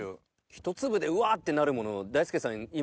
一粒でうわ！ってなるものを大輔さん今。